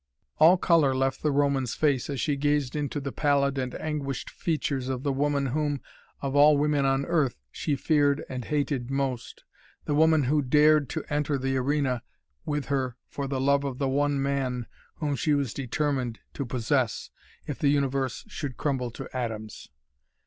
All color left the Roman's face as she gazed into the pallid and anguished features of the woman whom of all women on earth she feared and hated most, the woman who dared to enter the arena with her for the love of the one man whom she was determined to possess, if the universe should crumble to atoms.